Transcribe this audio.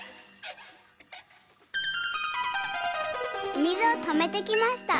おみずをとめてきました。